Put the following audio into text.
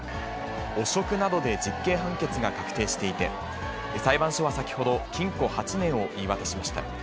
汚職などで実刑判決が確定していて、裁判所は先ほど、禁錮８年を言い渡しました。